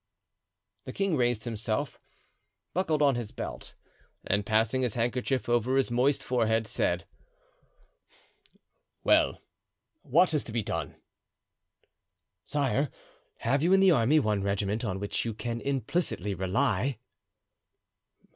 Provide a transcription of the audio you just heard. The king raised himself, buckled on his belt, and passing his handkerchief over his moist forehead, said: "Well, what is to be done?" "Sire, have you in the army one regiment on which you can implicitly rely?"